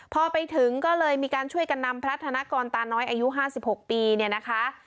พอไปถึงก็เลยมีการช่วยกันนำพระธนกรตาน้อยอายุ๕๖ปีเนี่ยนะคะ